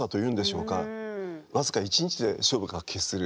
僅か１日で勝負が決する。